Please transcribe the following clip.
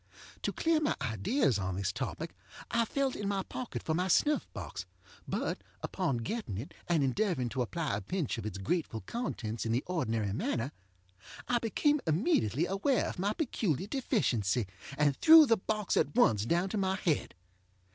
To clear my ideas on this topic I felt in my pocket for my snuff box, but, upon getting it, and endeavoring to apply a pinch of its grateful contents in the ordinary manner, I became immediately aware of my peculiar deficiency, and threw the box at once down to my head.